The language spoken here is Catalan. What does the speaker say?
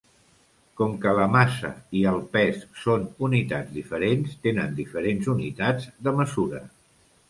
Com que la massa i el pes són unitats diferents, tenen diferents unitats de mesura.